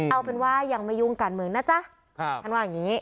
เอาเป็นว่ายังไม่ยุ่งการเมืองนะจ๊ะ